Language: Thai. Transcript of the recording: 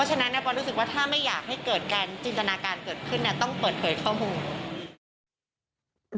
จินตนาการเกิดขึ้นต้องเปิดเผยข้อมูล